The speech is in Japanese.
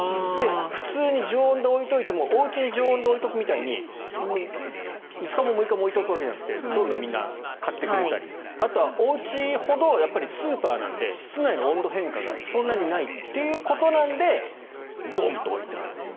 普通に常温で置いておいてもおうちで常温で置いておくみたいに５日も６日も置いておくわけじゃなくてどんどんみんな買っていったりあとはおうちほどスーパーなので室内の温度変化がそんなにないということなのでドンと置いてある。